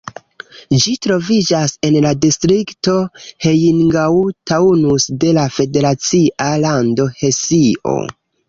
Ĝi troviĝas en la distrikto Rheingau-Taunus de la federacia lando Hesio.